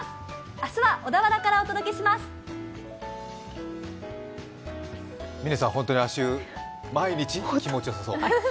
明日は小田原からお届けします。